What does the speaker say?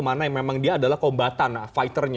mana yang memang dia adalah kombatan fighter nya